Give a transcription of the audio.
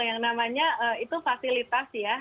yang namanya itu fasilitas ya